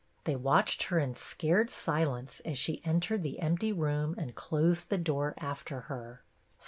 They watched her in scared silence, as she entered the empty room and closed the door after her.